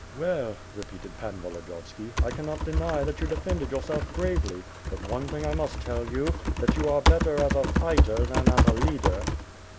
"Well!" repeated Pan Volodiyovski, "I cannot deny that you defended yourself bravely, but one thing I must tell you. That you are better as a fighter than as a leader."